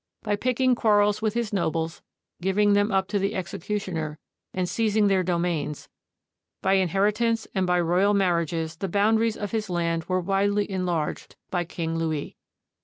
By picking quarrels with his nobles, giving them up to the executioner, and seizing their domains, by inheritance, and by royal mar riages the boundaries of his land were widely enlarged by King Louis.